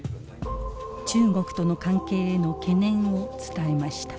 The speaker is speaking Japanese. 中国との関係への懸念を伝えました。